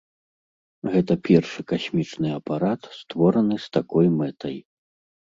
Гэта першы касмічны апарат, створаны з такой мэтай.